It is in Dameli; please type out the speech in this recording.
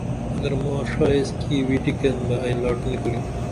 اگر ما ڜا ایس کی وٹیکین بہ ائی لاٹ نی کُریم